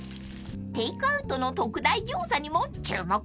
［テークアウトの特大餃子にも注目です］